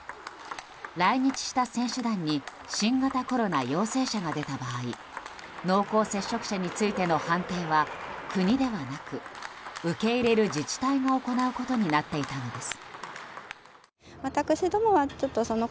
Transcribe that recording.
来日した選手団に新型コロナ陽性者が出た場合濃厚接触者についての判定は国ではなく受け入れる自治体が行うことになっていたのです。